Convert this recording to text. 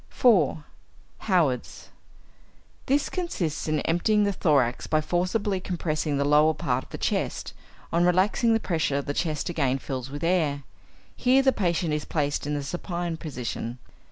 4. Howard's. This consists in emptying the thorax by forcibly compressing the lower part of the chest; on relaxing the pressure the chest again fills with air. Here the patient is placed in the supine position.